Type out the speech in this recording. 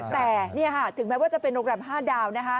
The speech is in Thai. แต่ถึงแม้จะเป็นโรงแรมห้าดาวน์